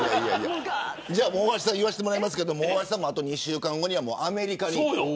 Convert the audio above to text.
大橋さん言わせてもらいますけどあと２週間後にはアメリカに行く。